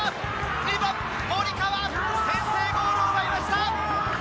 ２番・森川、先制ゴールを奪いました。